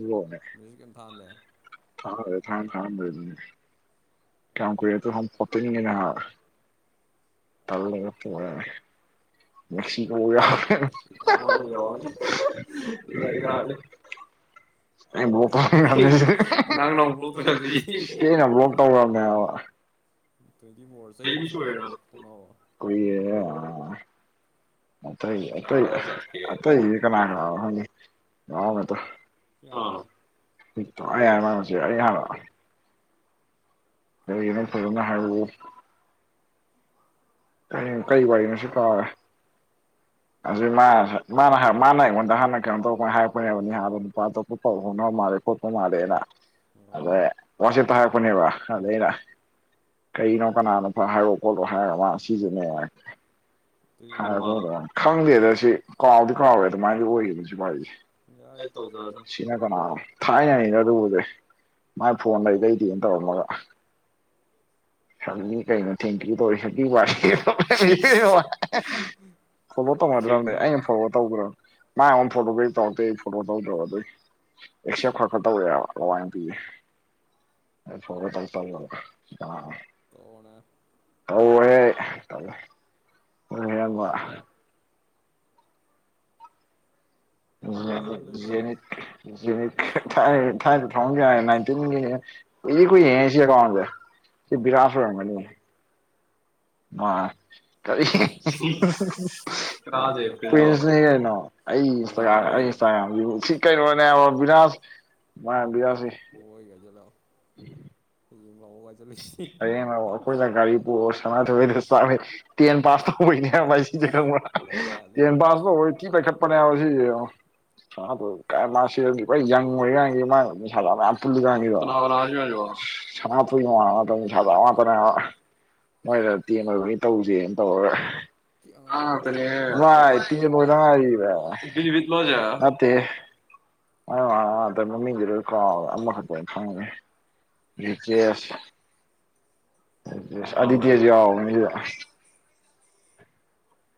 ꯐꯨꯣ music ꯀꯩꯝ ꯊꯥꯟꯗꯦ unintelligible ꯀꯌꯥꯝ ꯀꯔꯤ ꯍ ꯐꯠꯇꯅꯤꯦ ꯌꯥ ꯇ ꯂꯅꯤ ꯃꯦꯛꯀꯣ ꯑꯣꯏ ꯌꯥꯦ [unintelligible] ꯕꯣꯛ ꯅꯩꯅ ꯕ꯭ꯂꯣꯛ ꯇꯧꯔꯕꯅꯦꯕ [unintelligible] ꯇ꯭ꯋꯦꯟꯇꯤ ꯐꯣꯔ ꯆꯍꯤꯅꯤꯁꯨ ꯔꯦꯅ ꯍꯟꯗꯛ ꯇꯣꯛꯅꯑꯣ ꯑꯩꯣꯏ ꯑꯇꯩ ꯑꯇꯩ ꯑꯇꯩꯗꯤ ꯀꯅꯥꯅ ꯑꯟꯏꯟꯇꯦꯜꯂꯤꯖꯦꯕꯜ [unintelligible] [unintelligible] [unintelligible] ꯀꯔꯤ ꯀꯩ ꯋꯥꯔꯤꯅꯣꯁꯨ ꯀꯥꯎꯔꯦ ꯑꯁꯤ ꯃꯥ ꯃꯥ ꯃꯥꯅ ꯑꯩꯉꯣꯟꯗ ꯍꯥꯟꯅ ꯀꯩꯅꯣ ꯇꯧꯔꯛ ꯍꯥꯏꯔ ꯌꯥꯕ ꯅꯨꯄꯥ ꯄꯍ ꯅ ꯃꯥꯔꯦ ꯐꯣꯠꯇ ꯃꯥꯔꯦꯅꯥ ꯑꯗꯦ ꯋꯥꯁꯤꯠꯇ ꯍꯥꯄꯅꯦꯕ ꯑꯗꯨꯗꯩꯅ ꯀꯩꯅꯣ ꯀꯅꯥꯅꯣꯄꯥ ꯍꯥꯏꯔꯛꯑꯣ ꯈꯣꯠꯂꯣ ꯍꯥꯏꯔꯣꯑꯣ ꯃꯥ ꯁꯤꯁꯤꯅꯦ ꯍꯥꯏꯔꯣꯗ ꯈꯪꯗꯦꯗ ꯁꯤ ꯀꯥꯎꯗꯤ ꯀꯥꯎꯔꯦ ꯑꯗꯨꯃꯥꯏꯗꯤ ꯑꯣꯏꯈꯤꯕ ꯁꯤ ꯋꯥꯔꯤꯁꯤ ꯍꯥꯏꯁꯦ ꯁꯤꯅ ꯀꯅꯥꯅꯣ ꯊꯥꯏꯅꯩꯅꯦ ꯑꯗꯨꯕꯨꯗꯤ ꯃꯥꯏ ꯐꯣꯟ ꯂꯩꯇꯩꯗꯅ ꯇꯧꯔꯝꯃꯒ ꯁꯪꯅꯤ ꯀꯩ ꯅꯣ ꯊꯦꯡꯀꯌꯨ ꯊꯣꯛꯧ ꯁꯛꯌ ꯐꯣꯚꯣ ꯇꯧꯅꯗ꯭ꯔꯕꯅꯦ ꯑꯩꯅ ꯐꯣꯣ ꯇꯧꯈ꯭ꯔꯣꯕ ꯅ ꯑꯃ ꯐꯣꯇꯣ ꯀꯩ ꯇꯥꯎ ꯇ ꯐꯣꯇꯣ ꯇꯧꯗꯗ [unintelligible] [inaudible] ꯇꯣꯅ ꯍ ꯍ ꯎꯕ ꯊꯥꯏꯗ ꯊꯥꯎ ꯌꯥꯔꯦ ꯅꯥꯏꯟꯇꯤꯟꯒꯤ ꯀꯨꯏꯗꯤ ꯀꯨꯏꯔꯥꯍꯥ ꯁꯤ ꯑꯥꯛꯀꯥꯟꯁꯤ ꯁꯤ ꯕꯤꯔꯥꯁ ꯑꯣꯏꯔꯝꯒꯅꯤ [unintelligible] [unintelligible] ꯍ ꯆꯂ ꯎꯝ [unintelligible] [unintelligible] ꯇꯦꯟ ꯄꯥꯁ ꯑꯣꯏ ꯀꯤ ꯄꯥꯏꯈꯠꯄꯅꯦ ꯁꯤ ꯀꯥꯏ ꯃꯥ ꯌꯥꯪ ꯑꯣꯏ [unintelligible] ꯃꯣꯏꯗ ꯇꯦꯟꯕꯣꯏ ꯇꯧꯁꯦꯅ ꯇꯧꯔꯒ [unintelligible] ꯑ ꯃꯃꯤꯒꯤ ꯀ ꯑ ꯈ ꯐ ꯌꯦꯁ ꯑꯗꯤꯇꯤꯌꯥꯁꯨ ꯌꯥꯎꯕꯅꯤꯗ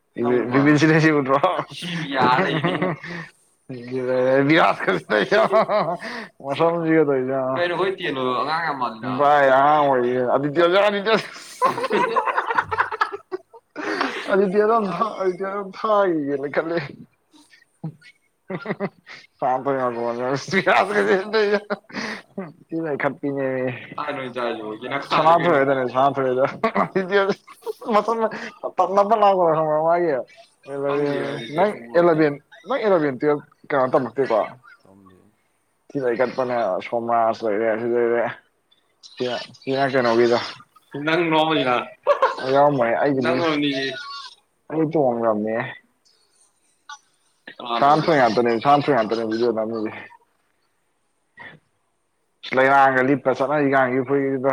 [unintelligible] [unintelligible] ꯀꯩꯅꯣ ꯑꯉꯥꯡꯚꯥꯏ ꯑꯉꯥꯡ ꯑꯣꯏꯔꯤꯌꯦ ꯑꯗꯤꯇꯁ ꯑꯗꯤꯇ꯭ꯁ ꯑꯍ [unintelligible] [unintelligible] [unintelligible] [unintelligible] [unintelligible] [unintelligible] [unintelligible] [unintelligible] ꯑꯩ ꯇ ꯋꯥꯉꯃꯦ [unintelligible] ꯂꯩꯔꯥꯡꯒ ꯂꯤꯠꯄ ꯆꯠꯅꯔꯤꯀꯒꯤ ꯑꯩꯈꯣꯏꯒꯤꯗ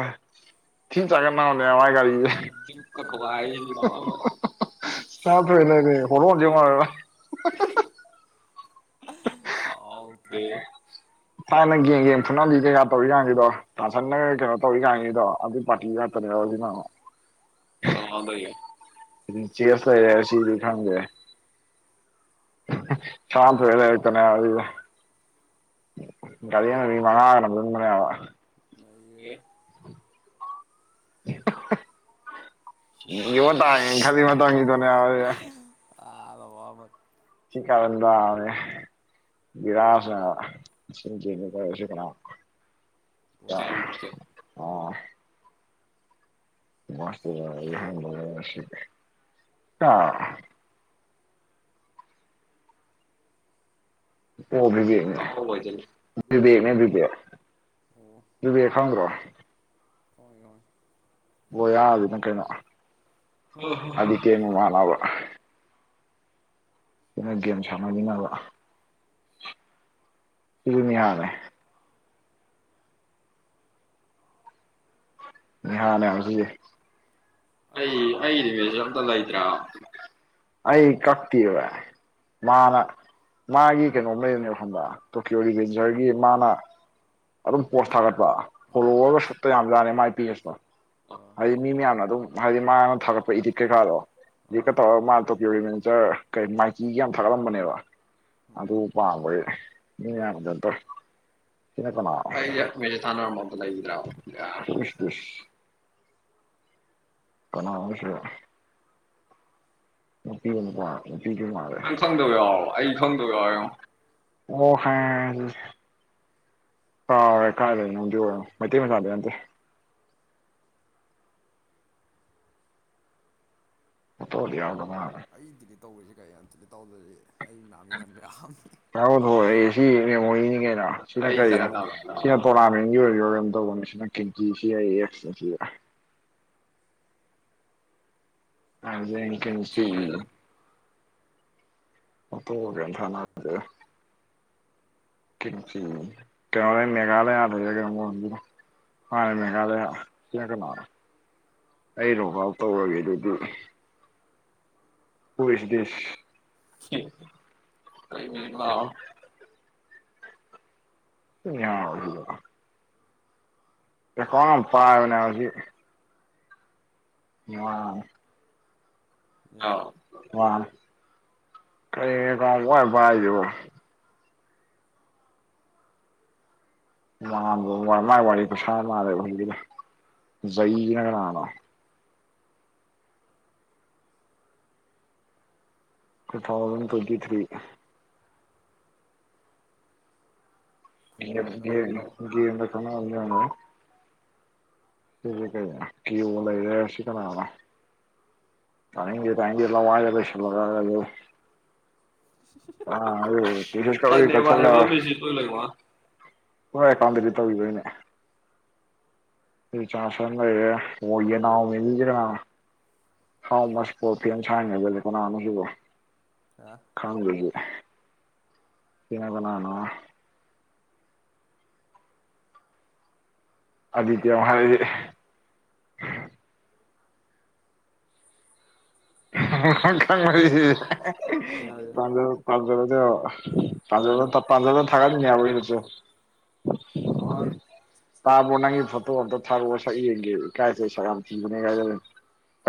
ꯊ ꯆꯒꯦ ꯅꯍꯅꯦ ꯑꯋꯥꯥꯏ ꯒꯥꯔꯤ ꯆ ꯇ꯭ꯔ ꯍꯔ ꯃꯖ ꯃꯥꯔ ꯑꯛꯇꯦ ꯏꯁꯅ ꯌꯦꯟ ꯌꯦꯟ ꯊꯨꯅꯒꯤ ꯀꯩꯀꯥ ꯇꯧꯔꯤꯔꯥꯡꯉꯤꯗꯣ ꯇꯁ ꯀꯩꯅꯣ ꯇꯧꯔꯤ ꯂꯥꯡꯉꯗꯣ ꯄꯥꯇꯤꯒ ꯆꯅꯦꯌꯥ ꯑꯣꯏ ꯀꯣ ꯑꯔꯗ ꯁꯥꯇ ꯑꯣꯏꯦꯔꯦ ꯆꯅ ꯌꯥꯔꯒ ꯑꯟꯏꯟꯇꯦꯜꯂꯤꯖꯦꯕꯜ [unintelligible] [unintelligible] ꯆꯤ ꯀꯥꯟꯕ ꯍꯧꯔꯦ [unintelligible] ꯄꯣꯁꯦ ꯄꯣꯁꯇꯦ ꯑꯣ [unintelligible] [unintelligible] ꯅꯨꯄꯤꯗꯨ ꯈꯪꯕ꯭ꯔꯣ ꯍꯣꯏ ꯍꯣꯏ ꯕ ꯀꯩꯅ ꯩꯅ ꯒꯦꯝ ꯁꯥꯟꯅꯤꯅꯕ ꯁꯤꯃꯤ ꯌꯥꯔꯦ ꯍꯥꯟꯅꯦ ꯍꯧꯁꯤꯁꯦ ꯑꯩ ꯑꯩ ꯅꯨꯃꯤꯠꯁ ꯑꯝꯇ ꯂꯩꯇ꯭ꯔꯥ ꯑꯩ ꯀꯛꯇꯕ ꯃꯥꯅ ꯃꯥꯒꯤ ꯀꯩꯅꯣꯝ ꯂꯩꯗꯅꯦꯐꯝꯗ ꯇꯣꯀꯤꯌꯣ ꯔꯤꯚꯦꯟꯖꯔꯒꯤ ꯃꯥꯅ ꯑꯗꯨꯝ ꯄꯣꯁ ꯊꯥꯒꯠꯄ ꯐꯣꯂꯣꯒ ꯁꯛꯇꯠꯇ ꯌꯥꯝ ꯌꯥꯔꯦ ꯃꯥꯏ ꯄꯤ ꯑꯦꯁꯇꯣ ꯍꯥꯏꯗꯤ ꯃꯤ ꯃꯌꯥꯝꯅ ꯑꯗꯨꯝ ꯍꯥꯏꯗꯤ ꯃꯥꯅ ꯊꯥꯒꯠꯄ ꯏꯗꯤꯠ ꯀꯩꯀꯥꯗꯣ ꯏꯗꯤꯠꯀ ꯇꯧꯔꯒ ꯃꯥ ꯔꯤꯆꯔ ꯀꯩ ꯃꯥꯏꯇꯤꯒꯤ ꯌꯥꯝ ꯊꯥꯒꯠꯂꯝꯕꯅꯦꯕ ꯑꯗꯨ ꯄꯥꯝꯕꯒꯤ ꯃꯤ ꯌꯥꯗꯇꯣ ꯆꯅ ꯀꯅꯥ ꯑꯩꯁꯦ ꯃꯦꯁꯦ ꯊꯥꯅꯔꯝꯕꯗ ꯂꯩꯈꯤꯗ꯭ꯔꯥ ꯀꯅꯥꯕꯁꯤꯗ ꯅꯨꯄꯤ ꯑꯃꯄꯥ ꯅꯨꯄꯤꯗꯨ ꯃꯥꯜꯂꯦ ꯊꯪꯗꯕ ꯌꯥꯎꯔꯕ ꯑꯩ ꯊꯪꯗꯕ ꯌꯥꯎꯔꯦꯣ ꯑꯣ ꯍ ꯀꯥꯎꯔꯦ ꯀꯥꯏ ꯂꯩꯣꯗꯤ ꯑꯣꯏꯔꯣ ꯃꯩꯇꯩ ꯃꯆꯥꯗ ꯌꯥꯇꯦ ꯃꯠꯇꯣꯂꯤ ꯌꯥꯎꯅ ꯇꯧꯔꯤꯁꯤ ꯀꯩ ꯌꯥꯝꯇꯤꯅ ꯇꯥꯎꯗꯔꯤꯁꯤ ꯑꯗꯨꯒꯕꯤꯍꯝ ꯇ ꯊꯣꯛꯛꯑꯦ ꯁꯤ ꯃꯦꯃꯣꯔꯤꯅꯤ ꯀꯩꯅ ꯁꯤꯗ ꯀꯔꯤꯗ ꯁꯤꯅ ꯇꯣꯔꯅꯥꯃꯦꯟꯒꯤ ꯑꯣꯏꯒꯝ ꯇꯧꯕꯅꯦ ꯁꯤꯅ ꯀꯀꯤꯁꯤ ꯑꯩꯗ ꯑꯗ ꯑꯦ ꯀꯅꯁꯣ ꯃ ꯍꯒꯦ ꯊ ꯀ ꯃꯦꯒꯥꯂꯗ ꯍ ꯃꯦꯒꯥꯂ ꯀ ꯀꯅꯥ ꯑꯩꯅꯐꯥꯎ ꯇꯧꯔꯒꯦ ꯑꯗꯨꯗꯤ ꯀ ꯃꯤꯁꯀꯅꯥ ꯌꯥ ꯀꯣ ꯄꯥꯏꯕꯅꯦ ꯍꯧꯖꯤꯛ ꯑꯣ ꯑ ꯋꯥ ꯀ ꯀ ꯋꯥꯥꯏꯗꯕꯣ ꯃꯥꯏ ꯋꯥꯔꯤ ꯄꯩꯁꯥ ꯃꯥꯜꯂꯦꯕ ꯍꯧꯒꯤ ꯖꯩꯅ ꯀꯅꯥꯅꯣ ꯇꯨ ꯊꯥꯎꯖꯟ ꯇ꯭ꯋꯦꯟꯇꯤ ꯊ꯭ꯔꯤ ꯌꯦ ꯀꯅ [inaudible] ꯁꯤ ꯀꯩ ꯀꯦꯑꯣ ꯂꯩꯔꯦ ꯁꯤ ꯀꯅꯥꯅꯣ ꯇꯥꯅꯤꯡꯗꯦ ꯇꯥꯅꯤꯡꯗꯦ ꯂꯋꯥꯢꯗ ꯂꯩꯁꯤꯟꯂꯒ ꯅꯪꯁꯨ ꯑ [inaudible] ꯃꯣꯢ ꯑꯦꯛꯀꯥꯎ ꯗꯦꯕꯤꯠ ꯇꯧꯈꯤꯕꯩꯅꯦ ꯆꯥꯁ [inaudible] ꯋꯥ ꯅꯅꯥ ꯃꯤꯒꯔ ꯍꯥꯎ ꯃꯁ [inaudible] ꯄꯣꯄꯤꯤ ꯌꯥꯝꯝ ꯁ ꯐꯅꯅꯁꯤꯕꯣ ꯀꯅꯥ ꯈꯪꯗꯦ ꯁꯤꯅ ꯀꯅꯥꯅꯣ ꯑꯖꯤ ꯀ ꯍꯥꯏꯔ ꯃꯔꯤ ꯄ ꯄꯖꯗ ꯄ ꯍ ꯄ ꯍꯖ ꯊꯥꯅꯤꯅꯤ ꯑꯕꯁꯨ ꯋꯥꯔ ꯇꯥꯕꯒ ꯐꯠꯇꯣ ꯐꯠꯇ ꯇꯥꯥꯏ ꯃꯉ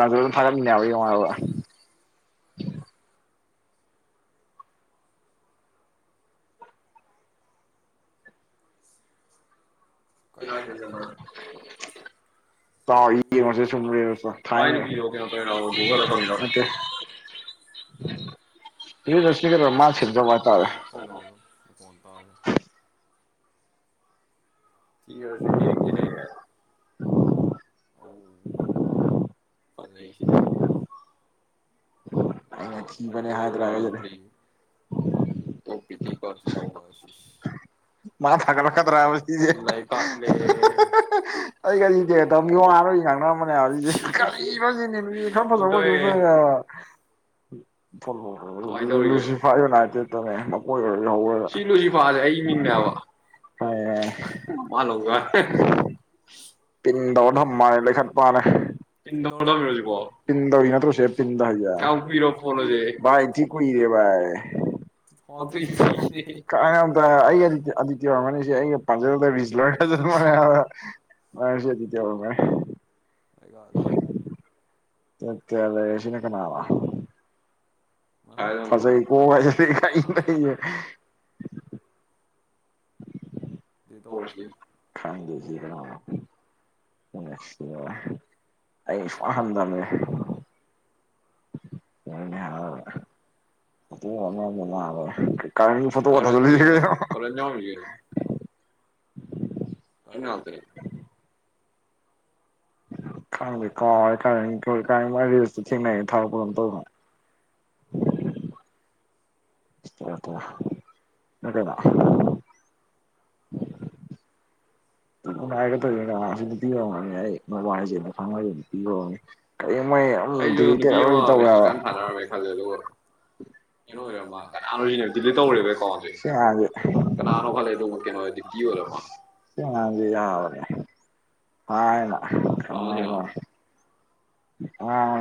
ꯇꯝꯗꯁꯨ ꯊꯥꯒꯠ ꯃꯤꯕꯩꯉꯥꯕ [unintelligible] ꯥꯎ ꯏ ꯅꯁ ꯀ ꯃꯥ ꯁꯤꯖꯕ ꯇꯥꯔꯦ ꯀꯗꯗ ꯐ ꯐꯣ [inaudible] ꯟ ꯇꯥꯗ ꯁꯤ ꯑꯣꯏꯔꯁꯨ ꯌꯦꯡꯒꯤꯅꯦ ꯍꯥꯢꯌꯨ ꯑꯥꯎ ꯐꯖꯩ ꯁꯤꯗꯤ ꯃꯝ ꯚꯥꯒꯒꯤ [inaudible] ꯇꯣꯞ ꯄꯤꯇꯤ ꯀꯥꯟ ꯢꯟ ꯗ ꯋꯥꯥꯜ ꯃꯥ ꯊꯠꯂ ꯀꯗ꯭ꯔꯥ ꯀꯦ ꯀꯦꯔ [inaudible] ꯃ [inaudible] ꯎꯝ ꯅꯥꯏꯣꯏꯔ ꯍꯧꯔ ꯂꯨꯐꯥꯁꯦ ꯑꯩ ꯃꯤꯡꯅꯦꯕ [inaudible] ꯍ ꯃꯥꯅꯒ [inaudible] ꯇꯤꯡꯗꯧ ꯊꯝ ꯃꯥꯜꯂꯦ ꯂꯩꯈꯠ ꯃꯥꯅꯦ [inaudible] ꯄꯤꯟ ꯇꯧꯕꯔꯣ ꯍꯧꯖꯤꯛꯄꯨ ꯄꯤꯟ ꯇꯧꯔꯤ ꯅꯥꯠꯇꯔꯣ ꯁꯤꯗ ꯊꯔꯤꯁꯦ [inaudible] ꯔꯄ ꯥꯏ ꯊ ꯀꯏꯗꯦꯚꯥꯏ ꯀꯔꯟ ꯌꯥꯝ ꯇꯥꯏ ꯍꯥꯢꯕꯥ ꯑꯩ ꯍꯧꯖꯤꯛ ꯑꯗꯤꯇꯤꯌꯥ ꯑꯣꯏꯔꯝꯒꯅꯤ ꯁꯦ ꯃ ꯔꯤ ꯂ ꯃ [inaudible] ꯃꯒꯗꯦ ꯀ [inaudible] ꯐꯖꯩꯀꯣ ꯍꯥꯏꯖꯤꯜꯂꯥꯛꯌꯦ ꯈꯥꯏꯗꯁꯤ [inaudible] ꯑꯩꯅ ꯁꯨꯡꯍꯥꯟ ꯍꯥꯟꯗꯕꯅꯦ ꯑ ꯍꯥꯎ [inaudible] ꯀ ꯐꯣꯇꯣꯊ [inaudible] ꯀꯥꯔꯟ ꯉꯥꯛꯇꯅꯦ ꯈꯪꯗꯦ ꯀꯥꯎꯔꯦ ꯃꯥꯢ ꯔꯤꯁ ꯇ ꯊꯦꯡꯅꯩ ꯊꯥꯔꯛꯄ ꯑꯗꯨꯝ ꯇꯧꯕꯅꯦ ꯇ ꯑꯗꯨꯦꯗ [inaudible] ꯎ [inaudible] ꯉꯥꯏꯔꯒ ꯇꯧ [inaudible] ꯅ ꯁꯤꯗ ꯄꯤꯕꯝꯅꯤ ꯑꯩ ꯃꯣꯕꯥꯏꯜꯁꯦꯗ ꯐꯪꯉꯒ ꯄꯤꯕꯝꯅꯤ ꯃ ꯇꯧ [inaudible] ꯀꯩꯅꯣ ꯑꯣꯏꯔꯃ ꯀꯅꯥꯅꯣ ꯁꯤꯖꯤꯅꯦꯕ ꯗꯤ ꯇꯧꯔꯦꯕ ꯑꯦꯀꯥꯎꯟꯁꯦ ꯀꯅꯥꯅꯣ ꯈꯜꯂꯦ ꯑꯗꯨꯒ ꯀꯩꯅꯣ ꯑꯣꯏꯔꯗꯤ ꯑꯣꯏꯔꯔꯕꯣ [inaudible] ꯁꯤ ꯑꯉꯥꯡꯁꯦ ꯌꯔꯔꯣꯏꯅꯦ ꯃꯥ ꯑꯩꯉꯣꯡꯗ ꯑꯥꯎ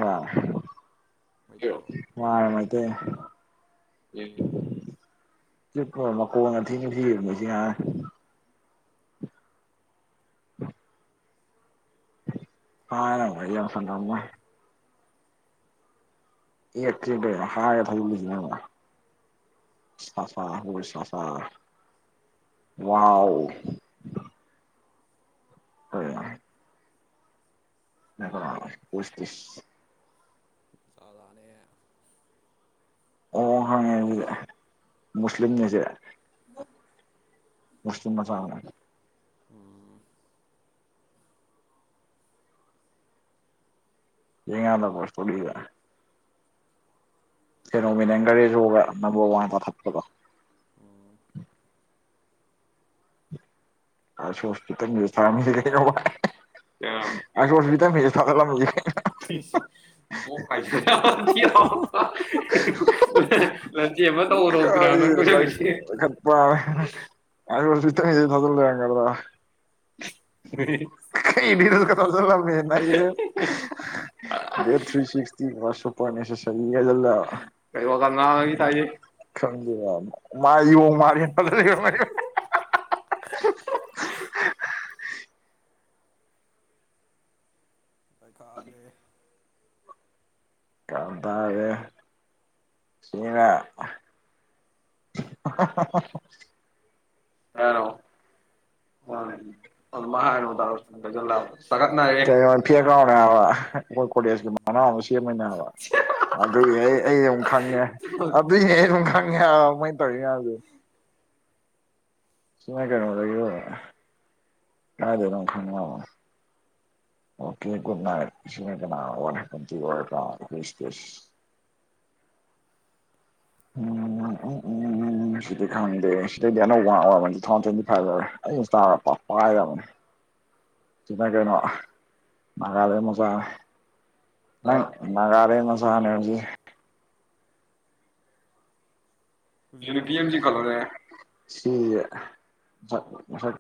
ꯋꯥꯔ [inaudible] ꯆ ꯃꯀꯣꯟ ꯉꯊꯤ ꯅꯨꯡꯊꯤꯁꯤ ꯉ [inaudible] [inaudible] ꯑꯥꯔ ꯃꯁꯗꯃꯦ [inaudible] ꯑꯦ ꯍꯥ ꯌꯥ ꯊꯖꯤ [inaudible] [inaudible] ꯁꯥ ꯍ ꯁꯥ ꯋꯥꯎ [inaudible] ꯍ ꯄꯨꯁꯇ ꯁꯥꯗꯅ ꯑꯣ ꯍꯪꯉꯦ ꯍꯧ ꯃꯨꯁꯂꯤꯝꯒꯤꯁꯦ ꯁꯨꯅ ꯆ ꯌꯦꯡꯉꯥꯗ ꯄꯨꯣꯁꯇ ꯂꯩꯗ ꯁꯦꯔꯣꯃꯤꯅꯒꯥꯔꯦꯖꯒ ꯅꯝꯕꯔ ꯋꯥꯟꯗ ꯊꯛꯄꯗꯣ [inaudible] ꯑꯁꯣꯁꯇꯁ [inaudible] ꯑꯁ ꯋꯥꯁ ꯇ ꯐꯁꯦ ꯊ ꯂꯦ [inaudible] ꯂꯝꯆꯦ ꯑꯃ ꯇꯧꯔꯣꯄ [inaudible] ꯑ ꯄꯠꯇꯜ ꯌꯥꯉꯔꯗ [inaudible] ꯏꯗꯤꯅꯦ ꯀ ꯆꯂꯝ ꯃꯌꯦ ꯊꯔꯤ ꯁꯤꯁ [inaudible] ꯏ ꯁꯣꯄꯔꯅꯦꯁꯦꯁꯂ ꯋꯥ ꯇꯦ ꯊꯖ ꯃꯥ ꯃꯥꯔꯤ [inaudible] ꯄꯩꯈꯥꯗꯦ ꯀꯇꯥꯔꯦ ꯁꯤꯅ [unintelligible] ꯇꯔꯣ ꯑꯗꯨꯃ ꯍꯥꯏꯥꯟꯅꯨꯗꯥꯔꯣ ꯁꯟ ꯈꯩꯁꯤꯜꯂꯥꯛꯑꯣ ꯆꯥꯒꯠꯅꯔꯦ ꯍꯁꯤ ꯃꯔꯅ ꯑꯗꯨ ꯌꯦꯅꯤ ꯊ ꯌꯥꯒꯦ ꯁꯨꯉꯥꯏ ꯀꯗ ꯌꯥꯗꯗ ꯊ ꯑꯣꯀꯦꯨꯠ ꯏꯠ ꯁꯅꯥꯀ ꯇꯦ ꯎꯝ ꯎꯝ ꯎꯝ ꯎꯝ ꯎꯝ ꯎ ꯁꯤꯗꯤ ꯈꯪꯗꯦ ꯁꯤꯗꯩꯗꯤ ꯑꯅꯧꯕ ꯉꯥꯛ ꯑꯣꯏꯔꯕꯅꯤ ꯇꯨ ꯊꯥꯎꯖꯟ ꯇ꯭ꯋꯦꯟꯇꯤ ꯐꯥꯏꯚ ꯂ ꯑꯣꯏꯔꯦ ꯑꯩꯩꯅꯨꯛ ꯇꯥꯔꯛꯄꯣ ꯄ ꯌꯥꯕꯅꯦ ꯇꯃ ꯀꯅ ꯒꯥꯦ ꯃꯖꯥ ꯅ ꯀꯔ ꯁꯍꯅ ꯍꯥꯏ ꯌꯨꯔꯤꯄꯤꯌꯝꯁꯤ ꯀꯂꯣꯅꯦ ꯁꯤ